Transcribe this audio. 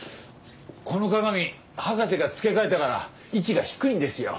この鏡博士が付け替えたから位置が低いんですよ。